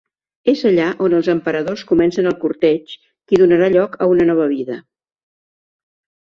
És allà on els emperadors comencen el corteig qui donarà lloc a una nova vida.